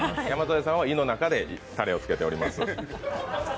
山添さんは胃の中でたれをつけてます。